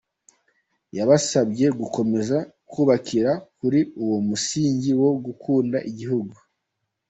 Yabasabye gukomeza kubakira kuri uwo musingi wo gukunda igihugu.